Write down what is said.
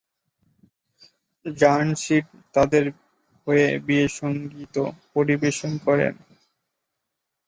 র্যানসিড তাদের হয়ে বিয়ের সঙ্গীত পরিবেশন করেন।